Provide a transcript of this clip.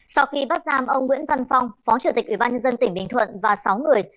sau khi bắt giam ông nguyễn văn phong phó chủ tịch ủy ban nhân dân tỉnh bình thuận và sáu người